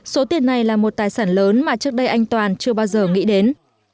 số tiền này là một tài sản lớn mà trước đây anh toàn chưa bao giờ nghĩ đến